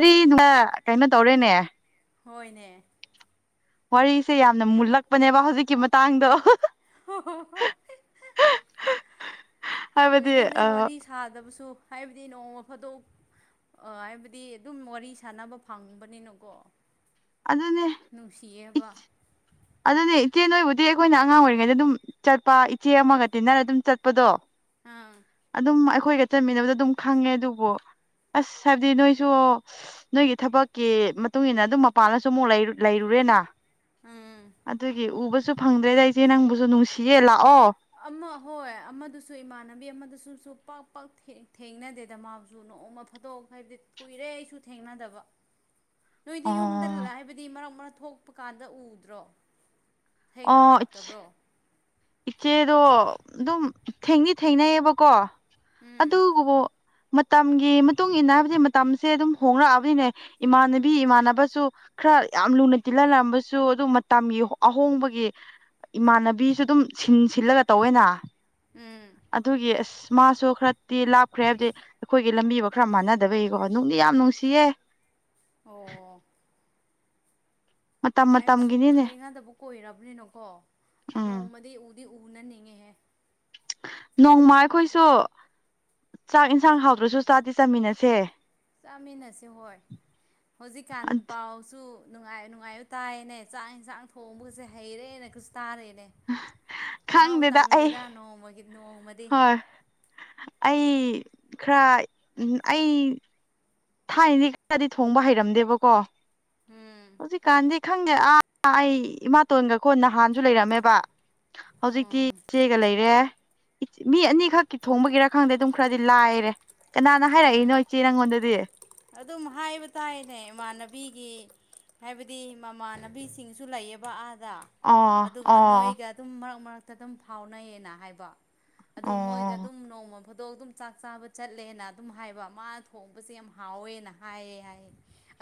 ꯑꯣ ꯀꯩꯅꯣ ꯇꯧꯔꯦꯅꯦ ꯍꯣꯏꯅꯦ ꯋꯥꯔꯤꯁꯦ ꯌꯥꯝꯅ ꯃꯨꯜꯂꯛꯄꯅꯦꯕ ꯍꯧꯖꯤꯛꯀꯤ ꯃꯇꯥꯡꯗꯣ ꯍ ꯍꯣ ꯍ [unintelligible] ꯍꯥꯏꯕꯗꯤ ꯀꯣꯏꯔꯦꯅꯦ ꯑ ꯋꯥꯔꯤ ꯁꯥꯗꯕꯁꯨ ꯍꯥꯏꯕꯗꯤ ꯅꯣꯡꯃ ꯐꯥꯗꯣꯛ ꯍꯥꯏꯕꯗꯤ ꯑꯗꯨꯝ ꯋꯥꯔꯤ ꯁꯥꯟꯅꯕ ꯐꯪꯕꯅꯤꯅꯀꯣ ꯑꯗꯨꯅꯦ ꯏ ꯅꯨꯡꯁꯤꯌꯦꯕ ꯑꯗꯨꯅꯦ ꯏꯆꯦ ꯅꯣꯏꯕꯨꯗꯤ ꯑꯩꯈꯣꯏꯅ ꯑꯉꯥꯡ ꯑꯣꯏꯔꯤꯉꯩꯗ ꯑꯗꯨꯝ ꯆꯠꯄ ꯏꯆꯦ ꯑꯃꯒ ꯇꯤꯟꯅꯔ ꯑꯗꯨꯝ ꯆꯠꯄꯗꯣ ꯑꯥ ꯑꯗꯨꯝ ꯑꯩꯈꯣꯏꯒ ꯆꯠꯃꯤꯟꯅꯕꯗ ꯑꯗꯨꯝ ꯈꯪꯉꯦ ꯑꯗꯨꯕꯨ ꯑꯁ ꯍꯥꯏꯕꯗꯤ ꯅꯣꯏꯁꯨ ꯅꯣꯏꯒꯤ ꯊꯕꯛꯀꯤ ꯃꯇꯨꯡ ꯏ ꯃꯇꯨꯡꯏꯟꯅ ꯑꯗꯨꯝ ꯃꯄꯥꯟꯗꯁꯨ ꯑꯃꯨꯛ ꯂꯩꯔꯨ ꯂꯩꯔꯨ ꯔꯦꯅ ꯎꯝ ꯑꯗꯨꯒꯤ ꯎꯕꯁꯨ ꯐꯪꯗ꯭ꯔꯦꯗ ꯏꯆꯦ ꯅꯪꯕꯨꯁꯨ ꯅꯨꯡꯁꯤꯌꯦ ꯂꯥꯛꯑꯣ ꯑꯃ ꯍꯣꯏ ꯑꯃꯗꯨꯁꯨ ꯏꯃꯥꯟꯅꯕꯤ ꯑꯃꯗꯁꯨꯁꯨ ꯄꯥꯛ ꯄꯥꯛ ꯊꯦꯡꯅꯗꯦꯗ ꯃꯥꯕꯨꯁꯨ ꯅꫭꯡꯃꯥ ꯐꯠꯗꫭꯛ ꯍꯥꯏꯕꯗꯤ ꯀꯨꯏꯔꯦ ꯑꯩꯁꯨ ꯊꯦꯡꯅꯗꯕ ꯅꯣꯏꯗꯤ ꯌꯨꯝꯗ ꯑꯣ ꯍꯥꯏꯕꯗꯤ ꯃꯔꯛ ꯃꯔꯛ ꯊꯣꯛꯄ ꯀꯥꯟꯗ ꯎꯗ꯭ꯔꯣ ꯑꯣ ꯊ‌ꯦꯡꯅꯔꯛꯇꯕ꯭ꯔꯣ ꯏꯆꯦꯗꯣ ꯑꯗꯨꯝ ꯊꯦꯡꯗꯤ ꯊꯦꯡꯅꯩꯑꯕꯀꯣ ꯎꯝ ꯑꯗꯨꯕ ꯃꯇꯝꯒꯤ ꯃꯇꯨꯡ ꯏꯟꯅ ꯍꯥꯏꯕꯗꯤ ꯃꯇꯝꯁꯦ ꯑꯗꯨꯝ ꯍꯣꯡꯡꯂꯛꯑꯕꯅꯤꯅꯥ ꯏꯃꯥꯟꯅꯕꯤ ꯏꯃꯥꯟꯅꯕꯁꯨ ꯈꯔ ꯌꯥꯝ ꯂꯨꯅ ꯇꯤꯅꯔꯝꯕꯁꯨ ꯑꯗꯨ ꯃꯇꯝꯒꯤ ꯑꯍꯣꯡꯕꯒꯤ ꯏꯃꯥꯟꯅꯕꯤꯁꯨ ꯑꯗꯨꯝ ꯁꯤꯟ ꯁꯤꯜꯂꯒ ꯇꯧꯋꯦꯅ ꯎꯝ ꯑꯗꯨꯒꯤ ꯑꯁ ꯃꯥꯁꯨ ꯈꯔ ꯇꯤ ꯂꯥꯞꯈ꯭ꯔꯦ ꯍꯥꯏꯕꯗꯤ ꯑꯩꯈꯣꯏꯒꯤ ꯂꯝꯕꯤꯒ ꯈꯔ ꯃꯥꯟꯅꯗꯕꯒꯤꯀꯣ ꯅꯨꯡꯗꯤ ꯌꯥꯝ ꯅꯨꯡꯁꯤꯌꯦ ꯑꯣ ꯃꯇꯝ ꯑꯩꯁꯨ ꯃꯇꯝꯒꯤꯅꯤꯅꯦ ꯊꯦꯡꯅꯗꯕ ꯀꯣꯏꯔꯕꯅꯤꯅꯀꯣ ꯎꯝ ꯅꯣꯡꯃꯗꯤ ꯎ ꯗꯤ ꯎꯅꯅꯤꯡꯉꯤ ꯍ‌ꯦ ꯅꯣꯡꯃ ꯑꯩꯈꯣꯏꯁꯨ ꯆꯥꯛ ꯌꯦꯟꯁꯥꯡ ꯍꯥꯎꯗ꯭ꯔꯁꯨ ꯆꯥꯗꯤ ꯆꯥꯃꯤꯟꯅꯁꯦ ꯆꯥꯃꯤꯟꯅꯁꯦ ꯍꯣꯏ ꯍꯧꯖꯤꯛꯀꯥꯟ ꯄꯥꯎꯁꯨ ꯅꯨꯡꯉꯥꯏ ꯅꯨꯡꯉꯥꯏꯕ ꯇꯥꯏꯌꯦꯅꯦ ꯆꯥꯛ ꯌꯦꯟꯁꯥꯡ ꯊꯣꯡꯕꯒꯁꯦ ꯍꯩꯔꯦꯅ ꯑꯈꫭꯏꯁꯨ ꯇꯥꯔ‌ꯦꯅ‌ꯦ ꯃꯍꯥꯎ ꯈꯪꯗꯦꯗ ꯑꯩ ꯇꯪꯒꯦꯗꯅꯣꯃꯒꯤ ꯍꯣꯏ ꯑꯩ ꯈꯔ ꯎꯝ ꯑꯩ ꯊꯥꯏꯅꯗꯤ ꯈꯔꯗꯤ ꯊꯣꯡꯕ ꯍꯩꯔꯝꯗꯦꯕꯀꯣ ꯎꯝ ꯍꯧꯖꯤꯛꯀꯥꯟꯗꯤ ꯈꯪꯒꯦ ꯑꯥ ꯑꯩ ꯏꯃꯥꯇꯣꯟꯒ ꯀꯣ ꯅꯍꯥꯟꯁꯨ ꯂꯩꯔꯝꯃꯦꯕ ꯍꯧꯖꯤꯛꯇꯤ ꯎꯝ ꯏꯆꯦꯒ ꯂꯩꯔꯦ ꯃꯤ ꯑꯅꯤꯈꯛꯀꯤ ꯊꯣꯡꯕꯒꯤꯔ ꯈꯪꯗꯦ ꯑꯗꯨꯝ ꯈꯔꯗꯤ ꯂꯥꯏꯔꯦ ꯀꯅꯥꯅ ꯍꯥꯏꯔꯛꯏꯅꯣ ꯏꯆꯦ ꯅꯪꯉꯣꯟꯗꯗꯤ ꯑꯗꯨꯝ ꯍꯥꯏꯕ ꯇꯥꯏꯅꯦ ꯏꯃꯥꯟꯅꯕꯤꯒꯤ ꯍꯥꯏꯕꯗꯤ ꯃꯃꯥꯟꯅꯕꯤꯁꯤꯡꯁꯨ ꯂꯩꯌꯦꯕ ꯑꯥ ꯑꯗ ꯑꯣ ꯑꯗꯨꯒ ꯑꯣ ꯅꯣꯏꯒ ꯑꯗꯨꯝ ꯃꯔꯛ ꯃꯔꯛꯇ ꯑꯗꯨꯝ ꯐꯥꯎꯅꯩꯌꯦꯅ ꯍꯥꯏꯕ ꯑꯗꯨ ꯃꯣꯏꯒ ꯑꯣ ꯑꯗꯨꯝ ꯅꯣꯡꯃ ꯐꯣꯗꯣꯛ ꯑꯗꯨꯝ ꯆꯥꯛ ꯆꯥꯕ ꯆꯠꯂꯦꯅ ꯑꯗꯨꯝ ꯍꯥꯏꯕ ꯃꯥꯅ ꯊꯣꯡꯕꯁꯦ ꯌꯥꯝ ꯍꯥꯎꯋꯦꯅ ꯍꯥꯏꯌꯦ ꯍꯥꯏꯌꯦ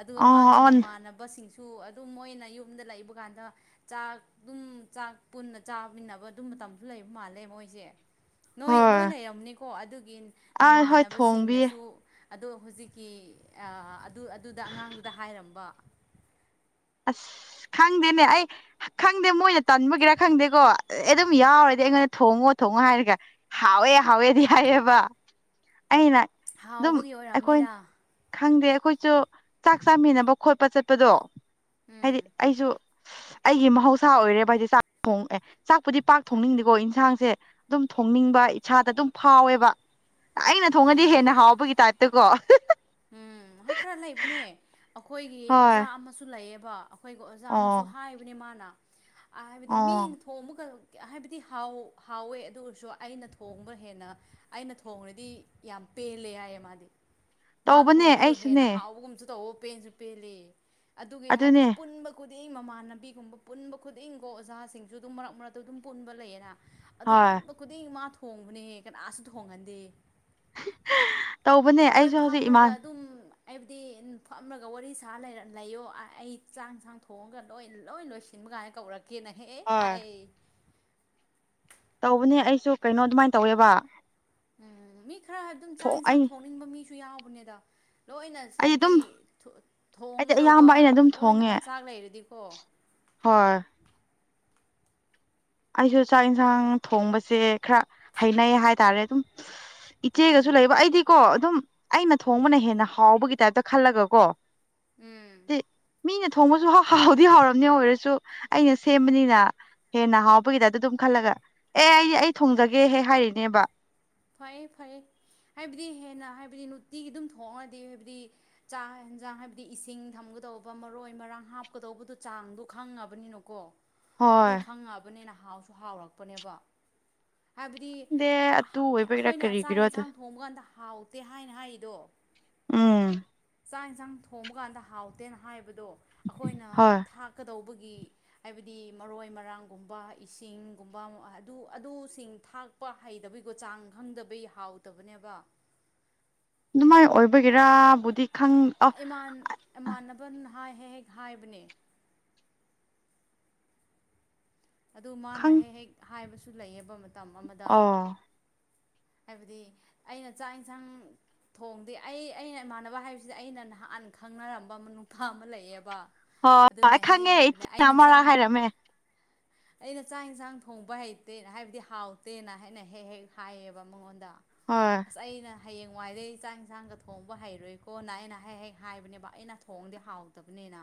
ꯑꯗꯨꯒ ꯃꯥꯒꯤ ꯑꯣ ꯃꯃꯥꯟꯅꯕꯁꯤꯡꯁꯨ ꯁꯨ ꯑꯗꯨꯝ ꯃꯣꯏꯅ ꯌꯨꯝꯗ ꯂꯩꯕ ꯀꯥꯟꯗ ꯆꯥꯛ ꯑꯗꯨꯝ ꯆꯥꯛ ꯄꯨꯟꯅ ꯆꯥꯃꯤꯟꯅꯕ ꯑꯗꯨꯝ ꯃꯇꯝꯁꯨ ꯂꯩꯕ ꯃꯥꯜꯂꯦ ꯃꯣꯏꯁꯦ ꯅꯣꯏ ꯅꯣꯏ ꯍꯣꯏ ꯂꯩꯔꯝꯅꯤꯀꯣ ꯑꯗꯨꯒꯤ ꯑ ꯍꯣꯏ ꯊꯣꯡꯕꯤꯌꯦ ꯅꯃꯥꯟꯅꯕꯁꯤꯡꯅꯁꯨ ꯑꯗꯣ ꯍꯧꯖꯤꯛ ꯀꯤ ꯑꯥ ꯑꯗꯨ ꯑꯗꯨꯗ ꯑꯉꯥꯡꯗꯨꯗ ꯍꯥꯏꯔꯝꯕ ꯑꯁ ꯈꯪꯗꯦꯅꯦ ꯑꯩ ꯈꯪꯗꯦ ꯃꯣꯏꯅ ꯇꯟꯕꯒꯤꯔ ꯈꯪꯗꯦꯀꯣ ꯑꯗꯨꯝ ꯌꯥꯎꯔꯗꯤ ꯑꯩꯉꯣꯟꯗ ꯊꯣꯡꯉꯣ ꯊꯣꯡꯉꯣ ꯍꯥꯏꯔꯒ ꯍꯥꯎꯋꯦ ꯍꯥꯎꯋꯦꯗꯤ ꯍꯥꯏꯑꯕ ꯑꯩꯅ ꯑꯗꯨꯝ ꯍꯥꯎꯕꯒꯤ ꯑꯩꯈꯣꯏ ꯑꯣꯏꯔꯝꯅꯤꯗ ꯈꯪꯗꯦ ꯑꯩꯈꯣꯏꯁꯨ ꯆꯥꯛ ꯆꯥꯃꯤꯟꯅꯕ ꯈꯣꯠꯄ ꯆꯠꯄꯗꯣ ꯎꯝ ꯍꯥꯏꯗꯤ ꯑꯩꯁꯨ ꯑꯩꯒꯤ ꯃꯍꯧꯁꯥ ꯑꯣꯏꯔꯦ ꯚ ꯍꯥꯏꯗꯤ ꯆꯥꯛ ꯊꯣꯡ ꯑꯦꯦ ꯆꯥꯛꯄꯨꯗꯤ ꯄꯥꯛ ꯊꯣꯡꯅꯤꯡꯗꯦꯀꯣ ꯏꯟꯁꯥꯡꯁꯦ ꯑꯗꯨꯝ ꯊꯣꯡꯅꯤꯡ ꯅꯤꯡꯕ ꯏꯁꯥꯗ ꯑꯗꯨꯝ ꯐꯥꯎꯋꯦꯕ ꯑꯩꯅ ꯊꯣꯡꯉꯗꯤ ꯍꯦꯟꯅ ꯍꯥꯎꯕꯒꯤ ꯇꯥꯏꯞꯇꯀꯣ ꯎꯝ ꯈꯔ ꯂꯩꯕꯅꯦ ꯑꯩꯈꯣꯏꯒꯤ ꯍꯣꯏ ꯑꯣꯖꯥ ꯑꯃꯁꯨ ꯂꯩꯌꯦꯕ ꯑꯩꯈꯣꯏꯒꯤ ꯑꯣꯖꯥ ꯑꯃꯁꯨ ꯑꯣ ꯍꯥꯏꯕꯅꯤ ꯃꯥꯅ ꯍꯥꯏꯕꯗꯤ ꯑꯣ ꯃꯤꯅ ꯊꯣꯡ ꯑꯃꯨꯒ ꯍꯥꯏꯕꯗꯤ ꯍꯥꯎ ꯍꯥꯎꯋꯦ ꯑꯗꯨ ꯑꯣꯏꯔꯁꯨ ꯑꯩꯅ ꯊꯣꯡꯕ ꯍꯦꯟꯅ ꯑꯩꯅ ꯊꯣꯡꯡꯂꯗꯤ ꯌꯥꯝ ꯄꯦꯂꯦ ꯌꯥꯌꯦ ꯃꯥꯗꯤ ꯃꯥ ꯇꯧꯕꯅꯦ ꯊꯣꯡꯕꯗꯣ ꯍꯦꯟꯅ ꯑꯩꯁꯨꯅꯦ ꯍꯥꯎꯕꯒꯨꯝꯁꯨ ꯇꯧꯋ ꯄꯦꯟꯁꯨ ꯄꯦꯜꯂꯤ ꯑꯗꯨꯒꯤ ꯑꯗꯨꯅꯦ ꯍꯥꯏꯕꯗꯤ ꯄꯨꯟꯕ ꯈꯨꯗꯤꯡ ꯃꯃꯥꯟꯅꯕꯤꯒꯨꯝꯕ ꯄꯨꯟꯕ ꯈꯨꯗꯤꯡꯒꯣ ꯑꯣꯖꯥꯁꯤꯡꯁꯨ ꯑꯗꯨꯝ ꯃꯔꯛ ꯃꯔꯛꯇ ꯑꯗꯨꯝ ꯄꯨꯟꯕ ꯂꯩꯌꯦꯅ ꯑꯗꯨ ꯍꯣꯏ ꯄꯨꯟꯕ ꯈꯨꯗꯤꯡ ꯃꯥ ꯊꯣꯡꯕꯅꯦ ꯀꯅꯥꯁꯨ ꯊꯣꯡꯍꯟꯗꯦ ꯇꯧꯕꯅꯦ ꯑꯩꯁꯨ ꯍꯧꯖꯤꯛ ꯏꯃꯥꯟ ꯑꯩꯕꯨꯗꯤ ꯐꯝꯃꯒ ꯋꯥꯔꯤ ꯁꯥ ꯂꯩꯌꯣ ꯑꯩ ꯆꯥꯛꯁꯥꯡ ꯊꯣꯡꯉꯒ ꯂꯣꯏ ꯂꯣꯏ ꯂꯣꯏꯁꯤꯟ ꯑꯃ ꯀꯥꯏꯅ ꯀꯧꯔꯛꯀꯦꯅꯍꯦ ꯍꯣꯏ ꯍꯥꯏ ꯇꯧꯕꯅꯦ ꯑꯩꯁꯨ ꯀꯩꯅꯣ ꯑꯗꯨꯃꯥꯏꯅ ꯇꯧꯋꯦꯕ ꯎꯝ ꯃꯤ ꯈꯔ ꯍꯥꯏꯕ ꯑꯗꯨꯝ ꯆꯥꯛ ꯊꯣꯡ ꯌꯦꯟꯁꯥꯡ ꯑꯩ ꯊꯣꯡꯅꯤꯡꯕ ꯃꯤꯁꯨ ꯌꯥꯎꯕꯅꯦꯗ ꯂꯣꯏꯅ ꯑꯩ ꯍꯥꯏꯕꯗꯤ ꯑꯗꯨꯝ ꯑꯩꯗꯤ ꯊꯣꯡꯒꯗꯧꯕ ꯑꯌꯥꯝꯕ ꯑꯩꯅ ꯑꯗꯨꯝ ꯂꯣꯏꯅ ꯊꯣꯡꯉꯦ ꯃꯆꯥꯛ ꯂꯩꯔꯗꯤꯀꯣ [unintelligible] ꯍꯣꯏ ꯑꯩꯁꯨ ꯆꯥꯛ ꯌꯦꯟꯁꯥꯡ ꯊꯣꯡꯕꯁꯦ ꯈꯔ ꯍꯩꯅꯩ ꯍꯥꯏꯇꯥꯔꯦ ꯑꯗꯨꯝ ꯏꯆꯦꯒꯁꯨ ꯎꯝ ꯂꯩꯕ ꯑꯩꯗꯤꯀꯣ ꯑꯗꯨꯝ ꯑꯩꯅ ꯊꯣꯡꯕꯅ ꯍꯦꯟꯅ ꯍꯥꯎꯕꯒꯤ ꯇꯥꯏꯞꯇ ꯈꯜꯂꯒꯀꯣ ꯎꯝ ꯍ ꯃꯤꯅ ꯊꯣꯡꯕꯁꯨꯥꯎ ꯍꯥꯎꯗꯤ ꯍꯥꯎꯔꯝꯅꯤ ꯑꯣꯏꯔꯁꯨ ꯑꯩꯅ ꯁꯦꯝꯕꯅꯤꯅ ꯍꯦꯟꯅ ꯍꯥꯎ ꯂꯄꯒꯤꯗꯗ ꯑꯗꯨꯝ ꯈꯜꯂꯒ ꯑꯦ ꯑꯩ ꯑꯩ ꯊꯣꯡꯖꯒꯦꯍꯦ ꯍꯥꯏꯔꯤꯅꯦꯕ ꯐꯩꯌꯦ ꯐꯩ ꯍꯥꯏꯕꯗꯤ ꯍꯦꯟꯅ ꯍꯥꯏꯕꯗꯤ ꯅꯨꯡꯇꯤꯒꯤ ꯑꯗꯨꯝ ꯊꯣꯡꯉꯒꯗꯤ ꯍꯥꯏꯕꯗꯤ ꯆꯥ ꯌꯦꯟꯁꯥꯡ ꯍꯥꯏꯕꯗꯤ ꯏꯁꯤꯡ ꯊꯝꯒꯗꯧꯕ ꯃꯔꯣꯏ ꯃꯔꯥꯡ ꯍꯥꯞꯀꯗꯧꯕꯗꯨꯣ ꯆꯥꯡꯗꯣ ꯈꯪꯉꯕꯅꯤꯅꯀꯣ ꯑꯗꯨ ꯍꯣꯏ ꯈꯪꯉꯑꯕꯅꯤꯅ ꯍꯥꯎꯁꯨ ꯍꯥꯎꯔꯛꯄꯅꯦꯕ ꯍꯥꯏꯕꯗꯤ ꯈꯪꯗꯦ ꯑꯗꯨ ꯑꯣꯏꯕꯒꯤꯔ ꯑꯩꯈꯣꯏꯅ ꯆꯥꯛ ꯀꯔꯤꯒꯤꯔꯣ ꯑꯗꯨ ꯌꯦꯟꯁꯥꯡ ꯊꯣꯡꯕ ꯀꯥꯟꯗ ꯍꯥꯎꯇꯦ ꯍꯥꯏꯅ ꯍꯥꯏꯔꯤꯗꯣ ꯎꯝ ꯆꯥꯛ ꯌꯦꯟꯁꯥꯡ ꯊꯣꯡꯕ ꯀꯥꯟꯗ ꯍꯥꯎꯇꯦꯅ ꯍꯥꯏꯕꯗꯣ ꯑꯩꯈꯣꯏꯅ ꯍꯣꯏ ꯊꯥꯛꯀꯗꯧꯕꯒꯤ ꯑꯩꯈꯣꯏ ꯒꯤ ꯍꯥꯏꯕꯗꯤ ꯃꯔꯣꯏ ꯃꯔꯥꯡꯒꯨꯝꯕ ꯏꯁꯤꯡꯒꯨꯝꯕ ꯑꯗꯨ ꯑꯗꯨꯁꯤꯡ ꯊꯥꯛ ꯂꯄ ꯍꯩꯗꯕꯩꯀꯣ ꯆꯥꯡ ꯈꯪꯗꯕꯩ ꯍꯥꯎꯇꯕꯅꯦꯕ ꯑꯗꯨꯃꯥꯏ ꯑꯣꯏꯕꯒꯦꯔꯥ ꯕꯨꯗꯤ ꯥꯟ ꯏꯃꯥꯟꯅꯕꯅ ꯍꯥꯏ ꯍꯦꯛ ꯍꯦꯛ ꯍꯥꯏꯕꯅꯦ ꯑꯗꯨ ꯃꯥꯅ ꯈꯪ ꯍꯦꯛ ꯍꯦꯛ ꯍꯥꯏꯕꯁꯨ ꯂꯩꯑꯕ ꯃꯇꯝ ꯑꯃꯗ ꯑꯣ ꯍꯥꯏꯕꯗꯤ ꯑꯩꯅ ꯆꯥꯛ ꯌꯦꯟꯁꯥꯡ ꯊꯣꯡꯗꯤ ꯑꯩ ꯑꯩꯅ ꯏꯃꯥꯟꯅꯕ ꯍꯥꯏꯕꯁꯤꯗꯤ ꯑꯩꯅ ꯅꯍꯥꯟ ꯈꯪꯅꯔꯝꯕ ꯑꯃ ꯅꯨꯡꯊꯥ ꯑꯃ ꯂꯩꯑꯕ ꯍ ꯑꯩ ꯈꯪꯉꯦ ꯑꯃꯔꯥ ꯆꯥꯛ ꯍꯥꯏꯔꯃꯦ ꯑꯩꯅ ꯆꯥꯛ ꯌꯦꯟꯁꯥꯡ ꯊꯣꯡꯕ ꯍꯩꯇꯦ ꯍꯥꯏꯕꯗꯤ ꯍꯥꯎꯇꯦꯅ ꯍꯥꯏꯅ ꯍꯦꯛ ꯍꯦꯛ ꯍꯥꯏꯌꯦꯕ ꯃꯉꯣꯟꯗ ꯍꯣꯏ ꯑꯁ ꯑꯩꯅ ꯍꯌꯦꯡꯋꯥꯏꯗꯒꯤꯩ ꯆꯥꯛ ꯏꯟꯁꯥꯡꯒ ꯊꯣꯡꯕ ꯍꯩꯔꯣꯏꯀꯣꯅ ꯑꯩꯅ ꯍꯦꯛ ꯍꯦꯛ ꯍꯥꯏꯕꯅꯦꯕ ꯑꯩꯅ ꯊꯣꯡꯗꯤꯦ ꯍꯥꯎꯗꯕꯅꯤ ꯍ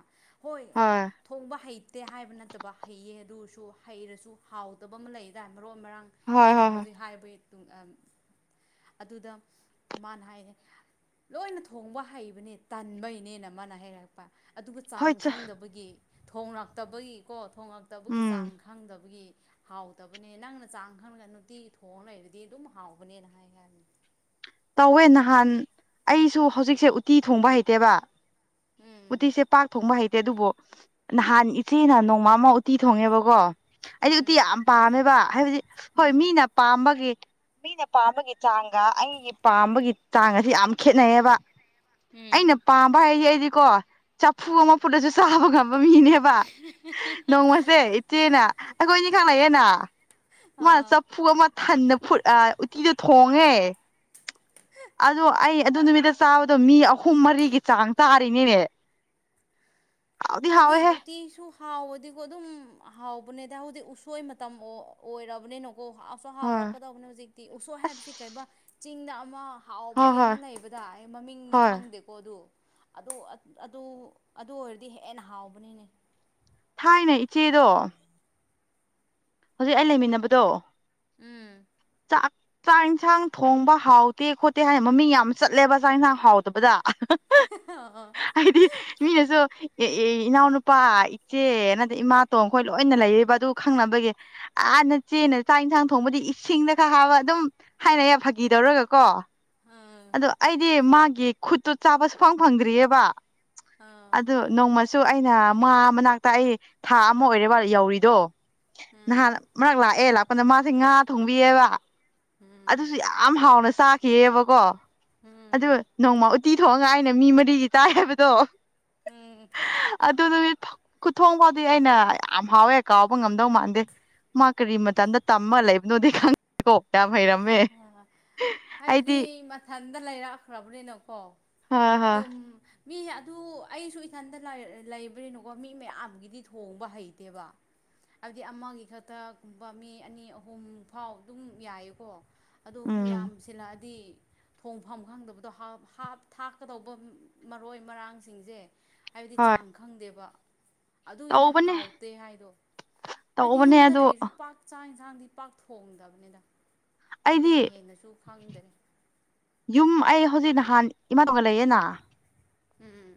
ꯍꯣꯏ ꯍ ꯍꯥꯏꯠꯇ ꯍ ꯁꯨ ꯍꯩꯔꯁꯨ ꯍꯥꯎꯗꯕ ꯑꯃ ꯂꯩꯗ ꯃꯔꯨ ꯃꯔꯥꯡ ꯍꯣꯏ ꯍꯣꯏ ꯑꯩꯅ ꯍꯣꯏ ꯍꯧꯖꯤꯛ ꯍꯥꯏꯔꯤꯕꯒꯤ ꯑꯗꯨꯗ ꯃꯥꯅ ꯍꯥꯏꯌꯦ ꯂꯣꯏꯅ ꯊꯣꯡꯕ ꯍꯩꯕꯅꯦ ꯇꯟꯕꯩꯅꯦꯅ ꯃꯥꯅ ꯍꯩꯔꯛꯄ ꯑꯗꯨꯒ ꯆꯥꯡ ꯍꯣꯏ ꯆ ꯈꯪꯗꯕꯒꯤ ꯊꯣꯡꯂꯛꯇꯕꯒꯤꯀꯣ ꯊꯣꯡꯂꯛꯇꯕꯒꯤ ꯆꯥꯡ ꯎꯝ ꯈꯪꯗꯕꯒꯤ ꯍꯥꯎꯇꯕꯅꯦ ꯅꯪꯅ ꯆꯥꯡ ꯈꯪꯉꯒ ꯅꯨꯡꯇꯤꯒꯤ ꯊꯣꯡ ꯂꯩ ꯑꯗꯨ ꯑꯗꯨꯝ ꯍꯥꯎꯕꯅꯤꯅ ꯍꯥꯏ ꯇꯧꯋꯦ ꯅꯍꯥꯟ ꯑꯩꯁꯨ ꯍꯧꯖꯤꯛꯁꯦ ꯎꯠꯇꯤ ꯊꯣꯡꯕ ꯍꯩꯇꯦꯕ ꯎꯝ ꯎꯇꯤꯁꯦ ꯄꯥꯛ ꯊꯣꯡꯕ ꯍꯩꯇꯦ ꯑꯗꯨꯕꯨ ꯅꯍꯥꯟ ꯏꯆꯦ ꯅꯣꯡꯃ ꯑꯃ ꯎꯇꯤ ꯊꯣꯡꯉꯦꯕꯀꯣ ꯑꯩꯗꯤ ꯎꯇꯤ ꯎꯝ ꯌꯥꯝ ꯄꯥꯝꯃꯦꯕ ꯍꯥꯏꯕꯗꯤ ꯍꯣꯏ ꯎꯝ ꯃꯤꯅ ꯄꯥꯝꯕꯒꯤ ꯃꯤꯅ ꯄꯥꯝꯕꯒꯤ ꯆꯥꯡꯒ ꯑꯩꯒꯤ ꯄꯥꯝꯕꯒꯤ ꯆꯥꯡꯒꯁꯦ ꯌꯥꯝ ꯈꯦꯠꯅꯩꯌꯦꯕ ꯎꯝ ꯑꯩꯅ ꯄꯥꯝꯕ ꯍꯥꯏꯗꯤ ꯑꯩꯗꯤꯀꯣ ꯆꯐꯨ ꯑꯃ ꯐꯨꯠꯂꯁꯨ ꯆꯥꯕ ꯉꯝꯃꯦ ꯃꯤꯅꯦꯕ ꯅꯣꯡꯃꯁꯦ ꯏꯆꯦꯅ ꯑꯩꯈꯣꯏ ꯑꯅꯤ ꯈꯛ ꯂꯩꯌꯦꯅ ꯃꯥ ꯑꯥ ꯆꯐꯨ ꯑꯃ ꯊꯟꯅ ꯐꯨꯠ ꯑ ꯎꯠꯇꯤꯗꯣ ꯊꯣꯡꯉꯦ ꯑꯗꯨ ꯑꯩ ꯑꯗꯨ ꯅꯨꯃꯤꯠꯇ ꯆꯥꯕꯗꯣ ꯃꯤ ꯑꯍꯨꯝ ꯃꯔꯤꯒꯤ ꯆꯥꯡ ꯆꯥꯔꯤꯅꯤꯅꯦ [unintelligible] ꯍꯥꯎꯗꯤ ꯍꯥꯏꯕꯗꯤ ꯍꯥꯎꯋꯦꯍꯦ ꯎꯇꯤꯁꯨ ꯍꯥꯎꯕꯗꯤꯀꯣ ꯑꯗꯨꯝ ꯍꯥꯎꯕꯅꯦꯗ ꯍꯧꯗꯤꯛ ꯎꯁꯣꯏ ꯃꯇꯝ ꯑꯣꯏꯔꯕꯅꯤꯅ [inaudible] ꯍꯣꯏ ꯍꯥꯎꯔꯛꯀꯗꯧꯕꯅꯤ ꯍꯧꯖꯤꯛꯇꯤ ꯎꯁꯣꯞ ꯍꯥꯏꯕꯁꯤ ꯑꯁ ꯀꯩꯝꯕ ꯆꯤꯡꯗ ꯑꯃ ꯍꯣꯏ ꯍꯥꯎꯕꯒꯤ ꯍꯣꯏ ꯑꯃ ꯂꯩꯕꯗ ꯑꯩ ꯃꯃꯤꯡꯗꯤ ꯍꯣꯏ ꯈꯪꯗꯦꯀꯣ ꯑꯗꯨ ꯑꯗꯨ ꯑꯗꯨ ꯑꯣꯏꯔꯗꯤ ꯍꯦꯟꯅ ꯍꯥꯎꯕꯅꯤꯅꯦ ꯊꯥꯏꯅ ꯏꯆꯦꯗꯣ ꯍꯧꯖꯤꯛ ꯑꯩ ꯂꯩꯃꯤꯟꯅꯕꯗꯣ ꯎꯝ ꯆꯥꯛ [unintelligible] ꯆꯥꯛ ꯌꯦꯟꯁꯥꯡ ꯊꯣꯡꯕ ꯍꯥꯎꯇꯦ ꯈꯣꯠꯇꯦ ꯍꯥꯏꯅ ꯃꯃꯤꯡ ꯌꯥꯝ ꯆꯠꯂꯦꯕ ꯆꯥꯛ ꯌꯦꯟꯁꯥꯡ ꯍꯥꯎꯇꯕꯗ ꯑꯥ ꯍꯥꯏꯗꯤ ꯃꯤꯅꯁꯨ ꯑꯦ ꯑꯦ ꯏꯅꯥꯎꯅꯨꯄꯥ ꯏꯆꯦꯅꯗ ꯏꯃꯥꯇꯣꯡ ꯑꯩꯈꯣꯏ ꯂꯣꯏꯅ ꯂꯩꯔꯤꯕ ꯑꯗꯨ ꯈꯪꯅꯕꯒꯤ ꯑ ꯍꯥꯟꯅ ꯆꯦꯅ ꯆꯥꯛ ꯌꯦꯟꯁꯥꯡ ꯊꯣꯡꯕꯗꯤ ꯏꯁꯤꯡꯗ ꯈꯔ ꯍꯥꯞꯕ ꯑꯗꯨꯝ ꯍꯥꯏꯅ ꯐꯥꯒꯤꯗꯧꯔꯒ ꯀꯣ ꯑꯥ ꯑꯗꯣ ꯑꯩꯗꯤ ꯃꯥꯒꯤ ꯈꯨꯠꯇꯨ ꯆꯥꯕ ꯁꯨꯐꯪ ꯐꯪꯗ꯭ꯔꯤꯑꯕ ꯑꯥ ꯑꯗꯣ ꯅꯣꯡꯃ ꯁꯨ ꯑꯩꯅ ꯃꯥ ꯃꯅꯥꯛꯇ ꯑꯩ ꯊꯥ ꯑꯃ ꯑꯣꯏꯔꯦ ꯌꯧꯔꯤꯗꯣ ꯅꯍꯥꯟ ꯎꯝ ꯑꯃꯔꯛ ꯂꯥꯛꯑꯦ ꯂꯥꯛꯄꯗ ꯃꯥꯁꯦ ꯉꯥ ꯊꯣꯡꯕꯤꯌꯦꯕ ꯎꯝ ꯑꯗꯨꯁꯨ ꯌꯥꯝ ꯍꯥꯎꯅ ꯆꯥꯈꯤꯌꯦꯕꯀꯣ ꯑꯗꯨ ꯎꯝ ꯅꯣꯡꯃ ꯎꯇꯤ ꯊꯣꯡꯉ ꯑꯩꯅ ꯃꯤ ꯃꯔꯤꯒꯤ ꯆꯥꯏ ꯍꯥꯏꯕꯗꯣ ꯎꯝ ꯑꯗꯨꯗꯨꯗꯤ ꯈꯨꯊꯣꯡ ꯐꯥꯎꯗꯤ ꯑꯩꯅ ꯌꯥꯝ ꯍꯥꯎꯋꯦ ꯀꯥꯎꯕ ꯉꯝꯗꯧ ꯃꯥꯟꯗꯦ ꯃꯥ ꯀꯔꯤ ꯃꯇꯗ ꯇꯝꯃ ꯂꯩꯕꯅꯣꯗꯤ ꯈꯪ ꯍꯩꯔꯝꯃꯦ ꯑꯩꯗꯤ ꯊꯟꯗ ꯂꯩꯔꯛꯈ꯭ꯔꯕꯅꯤꯅꯀꯣ ꯍꯣꯏ ꯍꯣꯏ ꯑꯗꯨꯝ ꯃꯤ ꯑꯗꯨ ꯑꯩꯁꯨ ꯏꯊꯟꯇ ꯂꯩ ꯂꯩꯕꯅꯤꯅꯀꯣ ꯃꯤ ꯃꯌꯥꯝꯒꯤꯗꯤ ꯊꯣꯡꯕ ꯍꯩꯇꯦꯕ ꯍꯥꯏꯕꯗꯤ ꯑꯃꯒꯤ ꯈꯛꯇꯒꯨꯝꯕ ꯃꯤ ꯑꯅꯤ ꯑꯍꯨꯝ ꯐꯥꯎ ꯑꯗꯨꯝ ꯌꯥꯏꯌꯦꯀꯣ ꯑꯗꯣ ꯃꯤ ꯎꯝ ꯌꯥꯝꯁꯤꯜꯂꯛꯑꯗꯤ ꯊꯣꯡꯐꯝ ꯈꯪꯗꯕꯗꯣ ꯍꯥ ꯍꯥꯞ ꯊꯥꯛꯀꯗꯧꯕ ꯃꯔꯣꯏ ꯃꯔꯥꯡꯁꯤꯡꯁꯦ ꯍꯥꯏꯕꯗꯤ ꯍꯣꯏ ꯆꯥꯡ ꯈꯪꯗꯦꯕ ꯑꯗꯨꯏꯅꯦ ꯇꯧꯕꯅꯦ ꯍꯥꯎꯇꯦ ꯍꯥꯏꯗꯣ ꯑꯩꯗꯤ ꯇꯧꯕꯅꯦ ꯌꯨꯝꯗ ꯑꯗꯣ ꯂꯩꯔꯁꯨ ꯄꯥꯛ ꯆꯥꯏ ꯍꯦꯟꯁꯥꯡꯗꯤ ꯄꯥꯛ ꯊꯣꯡꯗꯕꯅꯤꯗ ꯑꯩꯗꯤ ꯑꯗꯨꯒ ꯍꯦꯟꯅꯁꯨ ꯈꯪꯗꯔꯤꯦ ꯌꯨꯝ ꯑꯩ ꯍꯧꯖꯤꯛ ꯅꯍꯥꯟ ꯏꯃꯥ ꯇꯣꯡꯒ ꯂꯩꯌꯦꯅ ꯎꯝ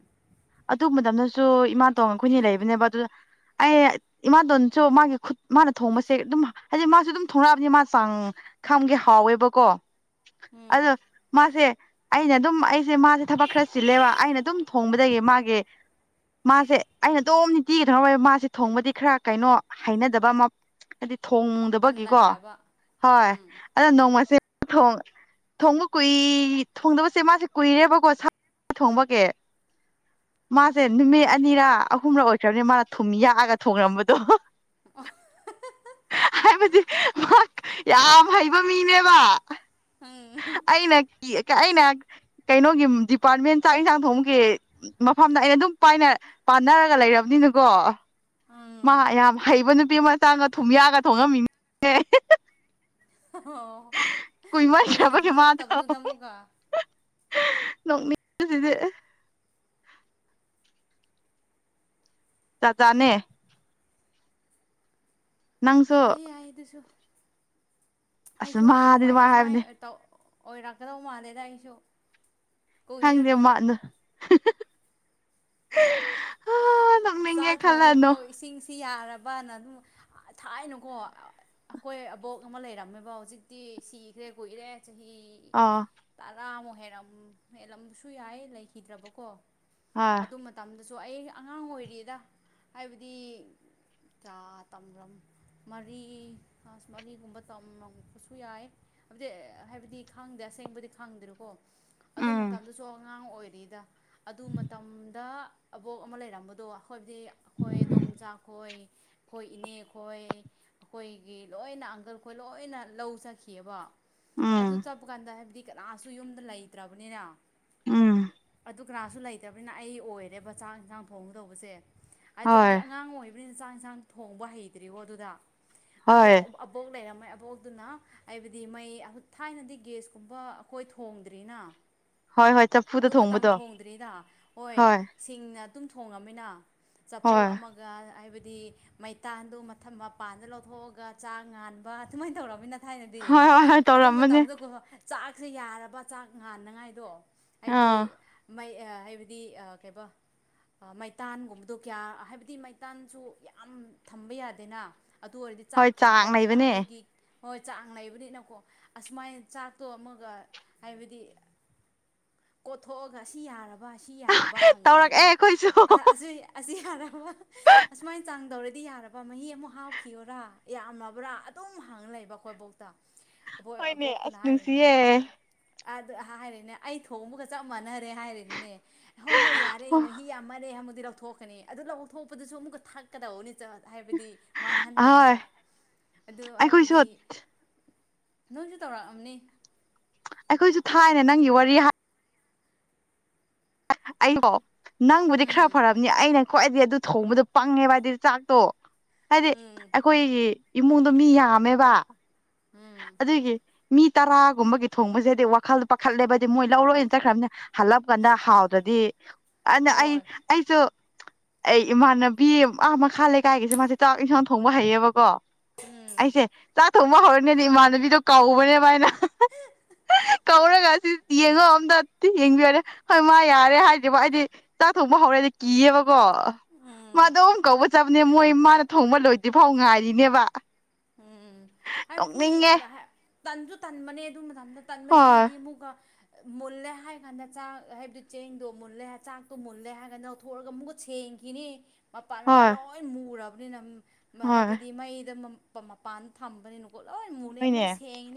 ꯑꯇꯨ ꯃꯇꯝꯗꯁꯨ ꯏꯃꯥ ꯇꯣꯡꯒ ꯑꯩꯈꯣꯏꯅꯤ ꯂꯩꯕꯅꯦꯕ ꯑꯗꯨꯗ ꯑꯩ ꯏꯃꯥꯗꯣꯟꯁꯨ ꯃꯥꯒꯤ ꯈꯨꯠ ꯃꯥꯅ ꯊꯣꯡꯕꯁꯦ ꯑꯗꯨꯝ ꯍꯥꯏꯗꯤ ꯃꯥꯁꯨ ꯑꯗꯨꯝ ꯊꯣꯡꯂꯛꯑꯕꯅꯤ ꯃꯥ ꯆꯥꯡ ꯈꯝꯒꯦ ꯍꯥꯎꯋꯦꯕꯀꯣ ꯎꯝ ꯎꯝ ꯑꯗꯣ ꯃꯥꯁꯦ ꯑꯩꯅ ꯑꯗꯨꯝ ꯑꯩꯁꯦ ꯃꯥꯁꯦ ꯊꯕꯛ ꯈꯔ ꯆꯤꯜꯂꯦꯕ ꯑꯩꯅ ꯑꯗꯨꯝ ꯊꯣꯡꯕ ꯑꯗꯨꯗꯒꯤ ꯃꯥꯒꯦ ꯃꯥꯁꯦ ꯑꯩꯅ ꯑꯗꯨꯝ ꯅꯤꯡꯇꯤꯒꯤꯗ꯭ꯔꯧ ꯃꯥꯁꯦ ꯊꯣꯡꯕꯗꯤ ꯈꯔ ꯀꯩꯅꯣ ꯍꯩꯅꯗꯕ ꯑꯃ ꯍꯥꯏꯗꯤ ꯊꯣꯡꯗꯕꯒꯤꯀꯣ ꯇꯟꯂꯈ꯭ꯔꯕ ꯍꯣꯏ ꯎꯝ ꯑꯗ ꯅꯣꯡꯃꯁꯦ ꯊꯣꯡꯕ ꯀꯨꯏ ꯊꯣꯡꯗꯕꯁꯦ ꯃꯥꯁꯦ ꯀꯨꯏꯔꯦꯕꯀꯣ ꯁꯥ ꯊꯣꯡꯕꯒꯦ ꯃꯥꯁꯦ ꯅꯨꯃꯤꯠ ꯑꯅꯤꯔꯥ ꯑꯍꯨꯝꯔ ꯑꯣꯏꯈ꯭ꯔꯕꯅꯤ ꯃꯥꯅ ꯊꯨꯝ ꯌꯥꯛꯑꯒ ꯊꯣꯡꯂꯝꯕꯗꯣ [unintelligible] ꯍꯥꯏꯕꯗꯤ ꯌꯥꯝ ꯍꯩꯕ ꯃꯤꯅꯦꯕ ꯎꯝ ꯑꯩꯅ ꯑꯩꯅ ꯀꯩꯅꯣꯒꯤ ꯗꯤꯄꯥꯔꯠꯃꯦꯟ ꯆꯥꯛ ꯌꯦꯟꯁꯥꯡ ꯊꯣꯡꯕꯒꯤ ꯃꯐꯝꯗ ꯑꯩꯅ ꯑꯗꯨꯝ ꯄꯥꯏꯅ ꯄꯥꯟꯅꯔꯒ ꯂꯩꯔꯕꯅꯤꯅꯀꯣ ꯃꯥ ꯎꯝ ꯌꯥꯝ ꯍꯩꯕ ꯅꯨꯄꯤ ꯃꯆꯥꯒ ꯊꯨꯝꯌꯥꯒ ꯊꯣꯡꯉꯝꯃꯤ ꯑꯣ ꯀꯨꯏꯅ ꯀꯨꯏꯃꯟꯈ꯭ꯔꯕꯒꯤ ꯊꯣꯡꯂꯛꯇꯕꯗꯨꯗ ꯑꯃꯨꯛꯀ ꯅꯣꯡ ꯃꯤꯗꯤ ꯆꯇꯥꯅꯦꯦ ꯅꯪꯁꯨ ꯌꯥꯏ ꯌꯥꯏ ꯑꯗꯨꯁꯨ ꯑꯁ ꯑꯩꯁꯨ ꯃꯥꯗꯤ ꯑꯗꯨꯃꯥꯏ ꯍꯌꯦꯡꯋꯥꯏꯁꯦ ꯍꯥꯏꯕꯅꯦ ꯁꯨꯃꯥꯏꯅ ꯑꯣꯏꯔꯛꯀꯗꯧ ꯃꯥꯜꯂꯦꯗ ꯑꯩꯁꯨ ꯀꯨꯏꯔꯔꯣꯏ ꯍꯪꯅꯦꯃꯅ ꯆꯥꯛ ꯊꯣꯡꯕ ꯐꯥꯎ ꯏꯁꯤꯡꯁꯤ ꯌꯥꯔꯕꯅ ꯑꯗꯨꯝ ꯊꯥꯏꯅꯀꯣ ꯑꯩꯈꯣꯏ ꯑꯕꯣꯛ ꯑꯃ ꯂꯩꯔꯝꯃꯦꯕ ꯍꯧꯖꯤꯛꯇꯤ ꯁꯤꯈ꯭ꯔꯦ ꯀꯨꯏꯔꯦ ꯆꯍꯤ ꯑ ꯇꯔꯥꯃꯨꯛ ꯍꯦꯔꯝ ꯍꯦꯜꯂꯝꯕꯁꯨ ꯌꯥꯏ ꯂꯩꯈꯤꯗ꯭ꯔꯕꯀꯣ ꯍꯣꯏ ꯑꯗꯨ ꯃꯇꯝꯗꯁꯨ ꯑꯩ ꯑꯉꯥꯡ ꯑꯣꯏꯔꯤꯗ ꯍꯥꯏꯕꯗꯤ ꯀꯥ ꯇꯝꯂꯝ ꯃꯔꯤ ꯐꯥꯁ ꯃꯔꯤꯒꯨꯝꯕ ꯇꯝꯂꯝꯄꯁꯨ ꯌꯥꯏ ꯍꯥꯏꯕꯗꯤ ꯍꯥꯏꯕꯗꯤ ꯈꯪꯗꯦ ꯑꯁꯦꯡꯕꯗꯤ ꯈꯪꯗ꯭ꯔꯔꯤꯀꯣ ꯑꯗꯨ ꯎꯝ ꯃꯇꯝꯗꯁꯨ ꯑꯉꯥꯡ ꯑꯣꯏꯔꯦ ꯀꯔꯤꯗ ꯑꯗꯨ ꯃꯇꯝꯗ ꯑꯕꯣꯛ ꯑꯃ ꯂꯩꯔꯝꯕꯗꯣ ꯑꯗꯨꯗꯤ ꯑꯩꯈꯣꯏ ꯗꯣꯝꯆꯥꯥꯛꯈꯣꯏ ꯑꯩꯈꯣꯏ ꯏꯅꯦ ꯈꯣꯏ ꯑꯩꯈꯣꯏꯒꯤ ꯂꯣꯏꯅ ꯑꯪꯀꯜ ꯈꯣꯏ ꯂꯣꯏꯅ ꯂꯧ ꯆꯈꯤꯑꯕ ꯑꯗꯨ ꯎꯝ ꯆꯠꯄ ꯀꯥꯟꯗ ꯍꯥꯏꯕꯗꯤ ꯀꯅꯥꯁꯨ ꯌꯨꯝꯗ ꯂꯩꯇ꯭ꯔꯕꯅꯤꯅ ꯎꯝ ꯑꯗꯨ ꯀꯅꯥꯁꯨ ꯂꯩꯇꯕꯅꯤꯅ ꯑꯩ ꯑꯣꯏꯔꯦꯕ ꯆꯥꯛ ꯌꯦꯟꯁꯥꯡ ꯊꯣꯡꯒꯗꯧꯕꯁꯦ ꯍꯥꯏꯗꯤ ꯍꯥꯏꯕꯗꯤ ꯍꯣꯏ ꯑꯉꯥꯡ ꯑꯣꯏ ꯍꯣꯏ ꯍ ꯃꯩ ꯑꯕꯣꯛꯇꯨꯅ ꯍꯥꯏꯕꯗꯤ ꯃꯩ ꯊꯥꯏꯅꯗꯤ ꯒꯦꯁꯀꯨꯝꯕ ꯑꯩꯈꯣꯏ ꯊꯣꯡꯗ꯭ꯔꯤꯅ ꯍꯣꯏ ꯍꯣꯏ ꯆꯐꯨꯗ ꯑꯗꯨ ꯃꯇꯝ ꯊꯣꯡꯕꯗꯣ ꯊꯣꯡꯗ꯭ꯔꯤꯗ ꯍꯣꯏ ꯁꯤꯡꯅ ꯑꯗꯨꯝ ꯊꯣꯡꯉꯃꯤꯅ ꯆꯐꯨ ꯍꯣꯏ ꯑꯃꯒ ꯍꯥꯏꯕꯗꯤ ꯍꯥꯏꯗꯤ ꯃꯩꯇꯥꯟꯗꯨ ꯃꯊꯝ ꯃꯄꯥꯟꯗ ꯂꯧꯊꯣꯛꯑꯒ ꯆꯥꯛ ꯉꯥꯟꯕ ꯑꯗꯨꯃꯥꯏꯅ ꯇꯧꯔꯕꯃꯤꯅ ꯊꯥꯏꯅꯗꯤ ꯍꯣꯏ ꯍꯣꯏ ꯍꯣꯏ ꯑꯗꯨ ꯇꯧꯔꯝꯕꯅꯦ ꯃꯇꯝꯗꯒꯣ ꯆꯥꯛꯁꯦ ꯌꯥꯔꯕ ꯆꯥꯛ ꯉꯥꯟꯅꯉꯥꯏꯗꯣ ꯍꯥꯏꯕꯗꯤ ꯑꯥ ꯃꯩ ꯍꯥꯏꯕꯗꯤ ꯀꯩꯕꯣ ꯃꯩꯇꯥꯟꯒꯨꯝꯕ ꯑꯗꯣ ꯀꯌꯥ ꯍꯥꯏꯕꯗꯤ ꯃꯩꯇꯥꯟꯁꯨ ꯌꯥꯝ ꯊꯝꯕ ꯌꯥꯗꯦꯅ ꯑꯗꯨ ꯑꯣꯏꯔꯗꯤ ꯆꯥꯛ ꯍꯣꯏ ꯆꯥꯡ ꯀꯥꯒꯜꯂꯦꯅ ꯂꯩꯕꯅꯦ ꯑꯗꯨꯒꯤ ꯍꯣꯏ ꯆꯥꯡ ꯂꯩꯩꯕꯅꯤꯅꯀꯣ ꯑꯁꯨꯃꯥꯏ ꯆꯥꯛꯇꯣ ꯑꯃꯒ ꯍꯥꯏꯕꯗꯤ ꯀꯣꯊꯣꯛꯑꯒ ꯑꯁꯤ ꯌꯥꯔꯕ ꯁꯤ ꯌꯥꯔꯕ ꯇꯧꯔꯛꯑꯦ ꯍꯪꯉꯤꯗꯨꯅꯦ ꯑꯩꯈꯣꯏꯁꯨ ꯑꯁꯤ ꯑꯁꯤ ꯌꯥꯔꯕ ꯑꯁꯨꯃꯥꯏꯅ ꯆꯥꯡꯗꯧꯔꯗꯤ ꯌꯥꯔꯕ ꯃꯍꯤ ꯑꯃꯨꯛ ꯍꯥꯥꯎꯈꯤꯌꯔꯥ ꯌꯥꯝꯃꯕ꯭ꯔꯥ ꯑꯗꯨꯝ ꯑꯗꯨꯝ ꯍꯥꯡꯅ ꯂꯩꯕ ꯑꯩꯈꯣꯏ ꯕꯣꯛꯇ ꯍꯣꯏꯅꯦ ꯕꯣꯛꯇꯨꯅ ꯑꯁ ꯍꯥꯏꯔꯤꯅꯦ ꯅꯨꯡꯁꯤꯌꯦ ꯑꯗ ꯍꯥꯏꯔꯛꯏꯅꯦ ꯑꯩ ꯊꯣꯡꯕꯒ ꯆꯞ ꯃꯥꯟꯅ ꯍꯥꯏꯔꯦꯅꯦ ꯍꯣꯏ ꯍꯣꯏ ꯌꯥꯔꯦ ꯃꯍꯤ ꯌꯥꯝꯃꯦꯨꯗꯤ ꯂꯧꯊꯣꯛ ꯊꯀꯅꯤ ꯑꯗꯨ ꯂꯧꯊꯣꯛꯄꯗꯨꯁꯨ ꯑꯃꯨꯛꯀ ꯊꯛꯀꯗꯕꯧꯅꯤ ꯆꯠ ꯍꯥꯏꯕꯗꯤ ꯑꯍꯣꯏ ꯃꯥꯡꯍꯟꯗꯕꯤꯗ ꯑꯗꯨ ꯑꯩꯈꯣꯏꯁꯨ ꯍꯥꯏꯕꯗꯤ ꯅꯣꯏꯁꯨ ꯇꯧꯔꯛꯑꯝꯅꯤ ꯑꯩꯈꯣꯏꯁꯨ ꯊꯥꯏꯅꯦ ꯅꯪꯒꯤ ꯋꯥꯔꯤ ꯑꯕꯣ ꯅꯪꯕꯨꯗꯤ ꯎꯝ ꯈꯔ ꯐꯅꯤ ꯑꯩꯅ ꯈ꯭ꯋꯥꯏꯗꯤ ꯑꯗꯨ ꯊꯣꯡꯕꯗꯣ ꯄꯪꯉꯦꯕ ꯍꯥꯏꯗꯤ ꯆꯥꯛꯇꯣ ꯍꯥꯏꯗꯤ ꯎꯝ ꯑꯩꯈꯣꯏꯒꯤ ꯏꯃꯨꯡꯗꯣ ꯃꯤ ꯌꯥꯝꯃꯦꯕ ꯎꯝ ꯑꯗꯨꯒꯤ ꯃꯤ ꯇꯔꯥꯒꯨꯝꯕꯒꯤ ꯊꯣꯡꯕꯁꯦꯗꯤ ꯋꯥꯈꯜꯗꯣ ꯄꯥꯈꯠꯂꯦꯕꯗꯤ ꯃꯣꯏ ꯂꯧꯔꯣꯏꯅ ꯆꯠꯈ꯭ꯔꯕꯅꯤ ꯍꯜꯂꯞꯀꯗ ꯍꯥꯎꯗ꯭ꯔꯗꯤ ꯑꯗꯨꯅ ꯑꯩ ꯍꯣꯏ ꯑꯩꯁꯨ ꯑꯩ ꯏꯃꯥꯟꯅꯕꯤ ꯑꯥ ꯃꯈ ꯈꯥꯜꯂꯦ ꯀꯥꯏꯒꯤꯁꯦ ꯃꯥꯁꯦ ꯆꯥꯛ ꯏꯟꯁꯥꯡ ꯊꯣꯡꯕ ꯍꯩꯌꯦꯕꯀꯣ ꯎꯝ ꯑꯩꯁꯦ ꯆꯥꯛ ꯊꯣꯡꯕ ꯍꯧꯔꯅꯦꯗꯤ ꯏꯃꯥꯟꯅꯕꯤꯗꯣ ꯀꯥꯎꯕꯅꯦꯕ ꯍꯥꯏꯅ ꯀꯧꯔꯒ ꯁꯤ ꯌꯦꯡꯉꯣ ꯑꯝꯇ ꯌꯦꯡꯕꯤꯌꯔꯦ ꯍꯣꯏ ꯃꯥ ꯌꯥꯔꯦ ꯍꯥꯏꯗ꯭ꯔꯤꯕꯣ ꯑꯩꯗꯤ ꯆꯥꯊꯣꯛꯄ ꯍꯧꯔꯦ ꯀꯕ ꯀꯣ ꯎꯝ ꯃꯥꯗ ꯑꯝ ꯀꯧꯕ ꯆꯠꯕꯅꯦ ꯃꯣꯏ ꯃꯥꯅ ꯊꯣꯡꯕ ꯂꯣꯏꯗ꯭ꯔꯤ ꯐꯥꯎ ꯉꯥꯏꯔꯤꯅꯦꯕ ꯎꯝ ꯍꯥꯏꯕꯗꯤ ꯅꯣꯛꯅꯤꯡꯉꯦ ꯇꯟꯁꯨ ꯇꯟꯕꯅꯦ ꯑꯗꯨ ꯃꯇꯝꯗ ꯇꯟꯕꯅꯦ ꯍꯣꯏ ꯍꯥꯏꯕꯗꯤ ꯑꯃꯨꯛꯒ ꯃꯨꯜꯂꯦ ꯍꯥꯏꯔ ꯀꯥꯟꯗ ꯆꯥꯛ ꯍꯥꯏꯕꯗꯤ ꯆꯦꯡꯗꯣ ꯃꯨꯜꯂꯦ ꯆꯥꯛꯇꯣ ꯃꯨꯜꯂꯦ ꯍꯥꯏꯔꯒꯥꯟꯗ ꯂꯧꯊꯣꯛꯑꯒ ꯑꯃꯨꯛꯀ ꯁꯦꯡꯉꯦ ꯪꯒꯤꯅꯦ ꯃꯄꯥꯟ ꯃꯄꯥꯟ ꯍꯣꯏ ꯂꯣꯏ ꯃꯨꯔꯕꯅꯤꯅ ꯍꯣꯏ ꯍꯥꯏꯕꯗꯤ ꯃꯩꯗ ꯃꯄꯥꯟ ꯊꯝꯕꯅꯤꯅ ꯣꯂꯣꯏ ꯃꯨꯅꯦ ꯍꯣꯏꯅꯦ ꯑꯃꯨꯛ ꯁꯦꯡꯉꯅꯦ